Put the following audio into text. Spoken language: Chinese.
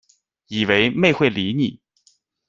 以为妹会理你